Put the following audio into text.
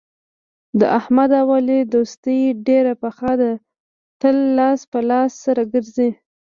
د احمد او علي دوستي ډېره پخه ده تل لاس په لاس سره ګرځي.